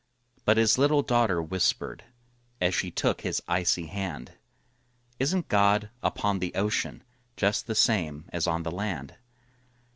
But his little daughter whispered, As she took his icy hand, "Isn't God upon the ocean, Just the same as on the land?"